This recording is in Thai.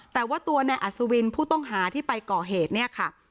แต่ว่าตัวนายอัศวินผู้ต้องหาที่ไปก่อเหตุเนี่ยค่ะ